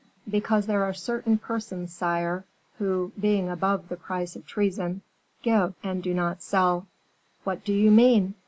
"Because there are certain persons, sire, who, being above the price of treason, give, and do not sell." "What do you mean?"